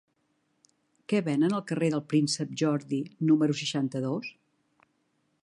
Què venen al carrer del Príncep Jordi número seixanta-dos?